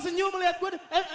semuanya ingin dejasku